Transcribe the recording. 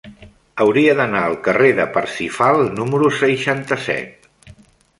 Hauria d'anar al carrer de Parsifal número seixanta-set.